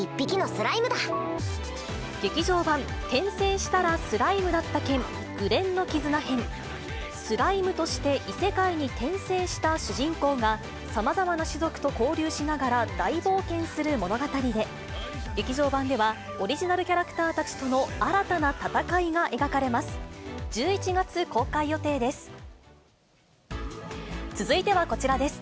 スライムとして異世界に転生した主人公が、さまざまな種族と交流しながら大冒険する物語で、劇場版では、オリジナルキャラクターたちとの新たな戦いが描かれます。